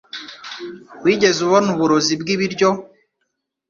Wigeze ubona uburozi bwibiryo?